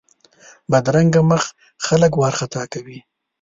بدرنګه مخ خلک وارخطا کوي